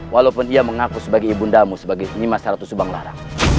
walaupun dia mengaku sebagai ibu undamu sebagai nimas ratu subang lara